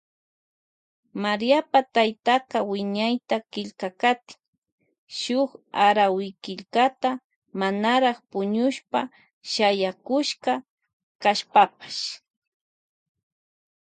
Maríapa taytaka wiñayta killkakatin shun arawikillkata manara puñushpa shayakushka kashpapash.